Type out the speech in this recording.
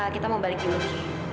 kita mau balik dulu ki